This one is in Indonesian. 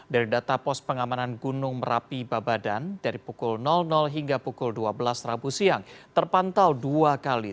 dari data pos pengamanan gunung merapi babadan dari pukul hingga pukul dua belas rabu siang terpantau dua kali